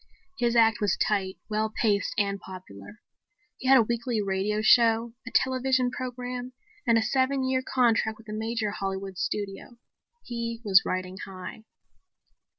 His act was tight, well paced and popular. He had a weekly radio show, a television program and a seven year contract with a major Hollywood studio. He was riding high.